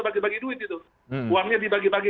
bagi bagi duit itu uangnya dibagi bagi